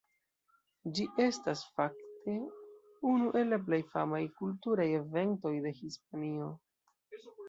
Ĝi estas, fakte, unu el la plej famaj kulturaj eventoj de Hispanio.